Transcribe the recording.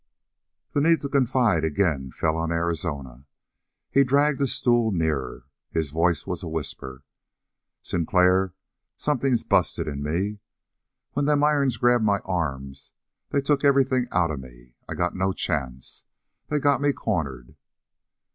The need to confide again fell on Arizona. He dragged his stool nearer. His voice was a whisper. "Sinclair, something's busted in me. When them irons grabbed my arms they took everything out of me. I got no chance. They got me cornered."